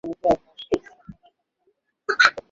তাহলে আমরা সেখানে দেখতে পাব?